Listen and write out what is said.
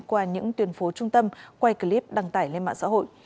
qua những tuyên phố trung tâm quay clip đăng tải lên mạng xã hội